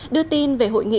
đưa tin về hội nghị